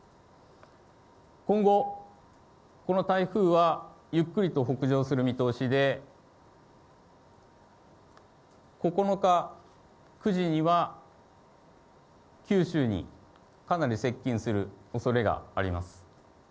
今後、この台風はゆっくりと北上する見通しで、９日９時には、九州にかなり接近するおそれがあります。